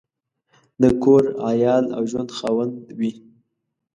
د کور، عیال او ژوند خاوند وي.